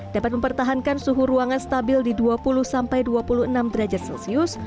dapat mempertahankan suhu ruangan stabil di dua puluh sampai dua puluh enam derajat celcius